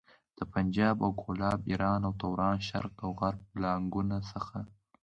د پنجاب او کولاب، ايران او توران، شرق او غرب بلاګانو څخه.